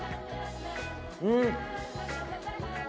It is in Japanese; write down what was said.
うん！